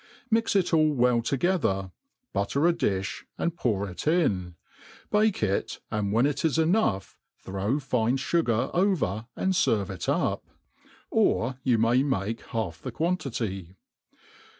Mix it all Well together, butter a difh, and pour it in. Bake it, and when it is enough, throw fine fugar oVer and ftrve it up. 0(f you may make half tbb quantity.